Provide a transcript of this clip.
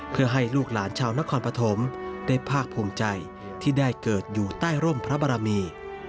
เพื่อให้ลูกหลานชาวนครปฐมได้ภาคภูมิใจที่ได้เกิดอยู่ใต้ร่มพระบารมี